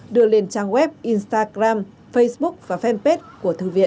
đưa lên trang web instagram facebook và fanpage của thư viện